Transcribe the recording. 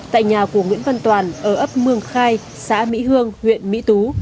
tại nhà của nguyễn văn toàn ở ấp mương khai xã mỹ hương huyện mỹ tú